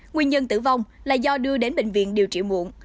nguyên nhân tử vong là do đưa đến bệnh viện điều trị muộn